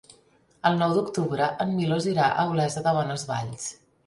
El nou d'octubre en Milos irà a Olesa de Bonesvalls.